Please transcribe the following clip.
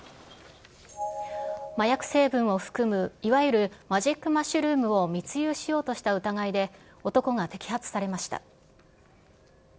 麻薬成分を含む、いわゆるマジックマッシュルームを密輸しようとした疑いで、男が摘発されました。